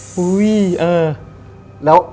บีเออ